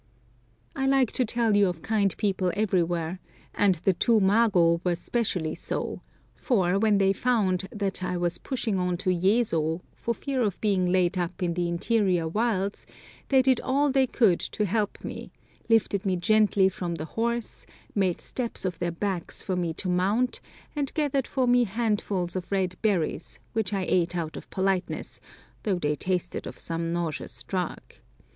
I like to tell you of kind people everywhere, and the two mago were specially so, for, when they found that I was pushing on to Yezo for fear of being laid up in the interior wilds, they did all they could to help me; lifted me gently from the horse, made steps of their backs for me to mount, and gathered for me handfuls of red berries, which I ate out of politeness, though they tasted of some nauseous drug.